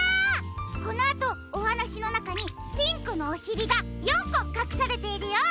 このあとおはなしのなかにピンクのおしりが４こかくされているよ。